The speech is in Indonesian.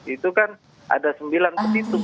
itu kan ada sembilan petitum